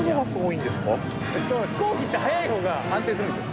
飛行機って速い方が安定するんですよ。